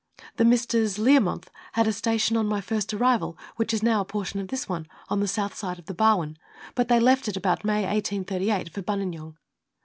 The Messrs^ Learmouth had a station on my first arrival, which is now a portion of this one, on the south side of the Barwon, but they left it about May 1838, for Buninyong.